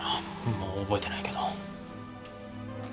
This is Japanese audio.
もう覚えてないけど。